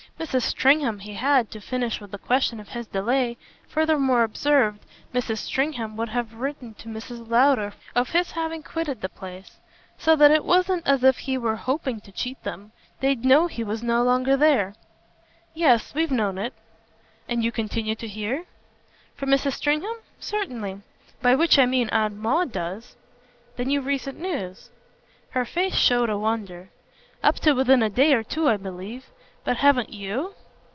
Mrs. Stringham, he had, to finish with the question of his delay, furthermore observed, Mrs. Stringham would have written to Mrs. Lowder of his having quitted the place; so that it wasn't as if he were hoping to cheat them. They'd know he was no longer there. "Yes, we've known it." "And you continue to hear?" "From Mrs. Stringham? Certainly. By which I mean Aunt Maud does." "Then you've recent news?" Her face showed a wonder. "Up to within a day or two I believe. But haven't YOU?"